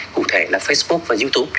cụ thể là facebook và youtube